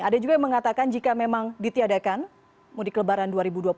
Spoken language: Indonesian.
ada yang juga mengatakan jika dapat di tiadakan budi kelebaran dua ribu dua puluh satu